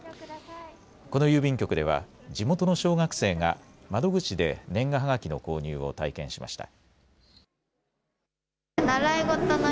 この郵便局では地元の小学生が窓口で年賀はがきの購入を体験しました。